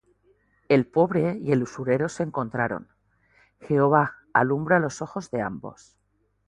El pobre y el usurero se encontraron: Jehová alumbra los ojos de ambos.